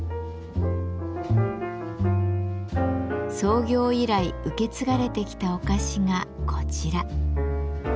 創業以来受け継がれてきたお菓子がこちら。